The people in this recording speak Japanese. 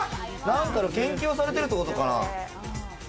何かの研究をされてるってことかな。